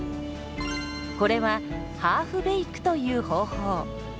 これは「ハーフベーク」という方法。